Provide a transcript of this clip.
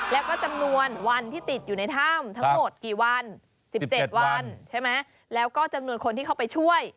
แล้วก็จำนวนวันที่ติดอยู่ในถ้ำทั้งหมดกี่วัน๑๗วันใช่ไหมแล้วก็จำนวนคนที่เข้าไปช่วย